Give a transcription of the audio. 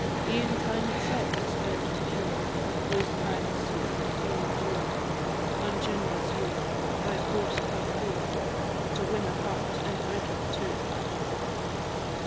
E'en time itself despairs to cure Those pangs to every feeling due: Ungenerous youth! thy boast how poor, To win a heart, and break it too!